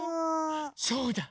そうだ！